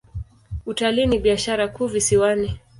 Utalii ni biashara kuu visiwani.